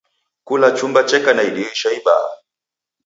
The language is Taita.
Kula chumba cheka na idirisha ibaha.